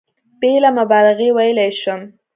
بېله مبالغې ویلای شم.